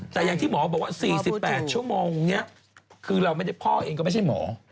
แต่อย่างที่หมอบอกว่า๔๘ชั่วโมงนี้คือเราไม่ได้พ่อเองก็ไม่ใช่หมอ